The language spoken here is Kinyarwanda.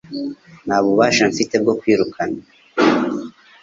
Nta bubasha mfite bwo kwirukana